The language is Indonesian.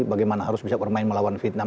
bagaimana harus bisa bermain melawan vietnam